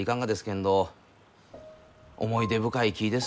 けんど思い出深い木です